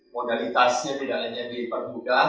modalitasnya tidak hanya dipermudah